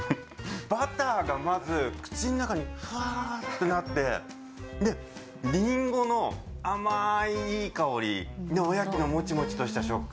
バターがまず口の中にふわっとなってりんごの甘い、いい香りおやきのもちもちとした食感。